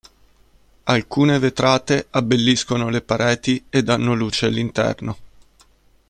Alcune vetrate abbelliscono le pareti e danno luce all'interno.